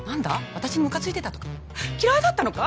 私にムカついてたとか嫌いだったのか？